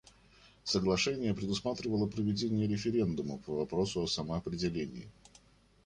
Соглашение предусматривало проведение референдума по вопросу о самоопределении.